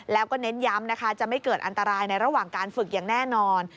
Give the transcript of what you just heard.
แล้วก็เน้นย้ำนะคะจะไม่เกิดอันตรายในระหว่างการฝึกอย่างแน่นอน